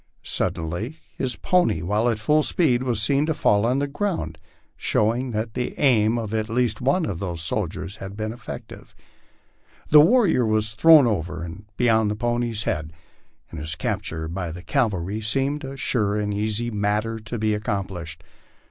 Suddenly his pony, while at full speed, was seen to fall to the ground, showing that the aim of at *east one of the soldiers had been effective. The warrior was thrown over and beyond the pony's head, and his capture by the cavalry seemed a sure and easy matter to be accomplished.